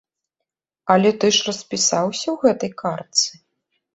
Але ты ж распісаўся ў гэтай картцы!